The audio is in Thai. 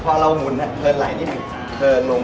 ความเรามุณแหล่งไหลนี่แหล่งลง